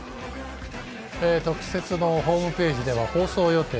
特設のホームページでは放送予定